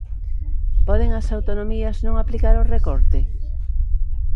Poden as autonomías non aplicar o recorte?